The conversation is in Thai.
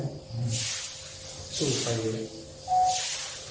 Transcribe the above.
ก็ต้องไปเลย